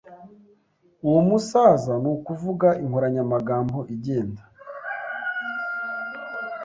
Uwo musaza, nukuvuga, inkoranyamagambo igenda.